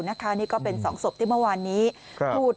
นี่ก็เป็น๒ศพที่เมื่อวานนี้พูด